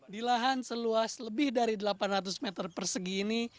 di lahan seluas lebih dari delapan ratus meter persegi ini